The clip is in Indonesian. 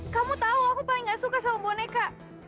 kamu tau aku paling gak suka sama boneka